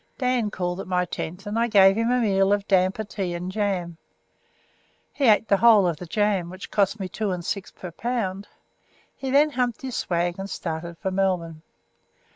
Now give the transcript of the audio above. Dan called at my tent, and I gave him a meal of damper, tea, and jam. He ate the whole of the jam, which cost me 2s. 6d. per pound. He then humped his swag and started for Melbourne.